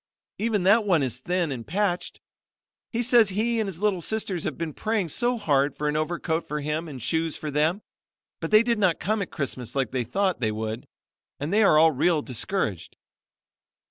Even that one is thin and patched. He says he and his little sisters have been praying so hard for an overcoat for him and shoes for them, but they did not come at Christmas like they thought they would, and they are real discouraged.